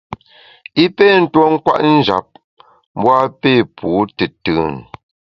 I pé tuo kwet njap, mbu a pé pu tùtùn.